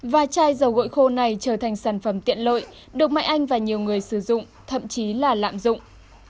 và chai dầu gội khô này trở thành sản phẩm tiện lợi được mai anh và nhiều người sử dụng thậm chí là lạm dụng